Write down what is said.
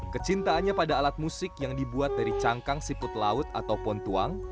kecintaannya pada alat musik yang dibuat dari cangkang siput laut atau pontuang